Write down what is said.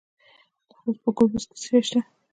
د خوست په ګربز کې څه شی شته؟